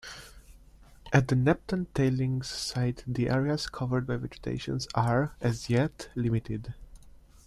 At the Nephton tailings site the areas covered by vegetation are, as yet, limited.